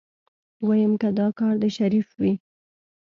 ويم که دا کار د شريف وي.